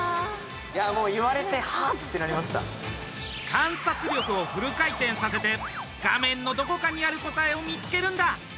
観察力をフル回転させて画面のどこかにある答えを見つけるんだ。